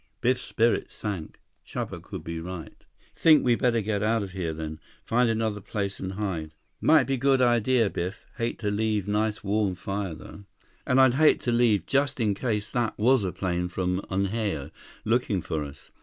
Biff's spirits sank. Chuba could be right. "Think we better get out of here then? Find another place and hide?" "Might be good idea, Biff. Hate to leave nice warm fire, though." 116 "And I'd hate to leave just in case that was a plane from Unhao, looking for us.